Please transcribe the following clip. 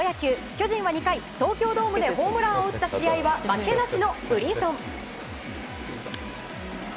巨人は２回、東京ドームでホームランを打った試合は負けなしのブリンソン。